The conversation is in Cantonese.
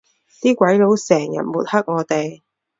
啲鬼佬成日抹黑我哋